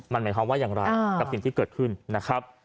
มันหมายความว่าอย่างไรกับสิ่งที่เกิดขึ้นนะครับ